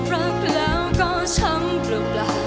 ละแล้วก็ช้ำปลอบ